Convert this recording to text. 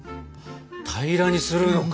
平らにするのか！